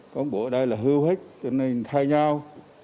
còn bộ đây là hưu hích cho nên thay nhau